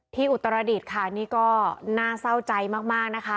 อุตรดิษฐ์ค่ะนี่ก็น่าเศร้าใจมากนะคะ